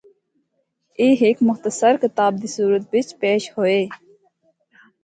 اے ہک مختصر کتاب دی صورت بچ پیش ہوے۔